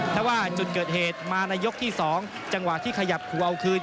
ถ้าว่าจุดเกิดเหตุมาในยกที่๒จังหวะที่ขยับขู่เอาคืน